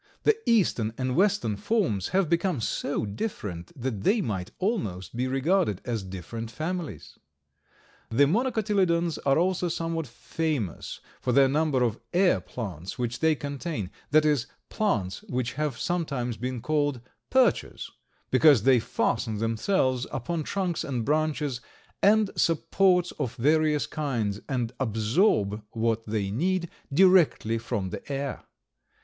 The eastern and western forms have become so different that they might almost be regarded as different families. The Monocotyledons are also somewhat famous for the number of air plants which they contain—that is, plants which have sometimes been called "perchers," because they fasten themselves upon trunks and branches and supports of various kinds, and absorb what they need directly from the air.